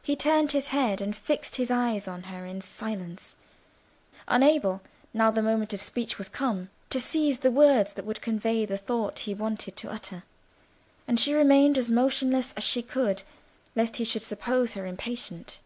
He turned his head and fixed his eyes on her in silence, unable, now the moment of speech was come, to seize the words that would convey the thought he wanted to utter: and she remained as motionless as she could, lest he should suppose her impatient.